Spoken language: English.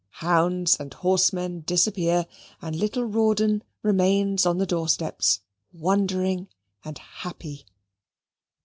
Hounds and horsemen disappear, and little Rawdon remains on the doorsteps, wondering and happy.